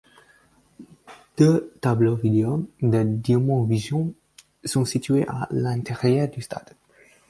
Deux tableaux vidéo de DiamondVision sont situés à l'intérieur du stade.